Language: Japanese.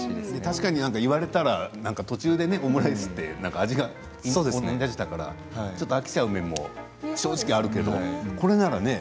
言われたらオムライスって味が同じだからちょっと飽きてしまう面も正直あるけど、これならね。